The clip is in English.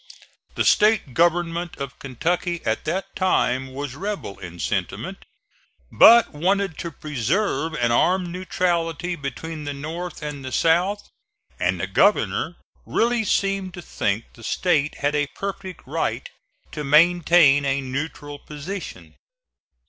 The State government of Kentucky at that time was rebel in sentiment, but wanted to preserve an armed neutrality between the North and the South, and the governor really seemed to think the State had a perfect right to maintain a neutral position.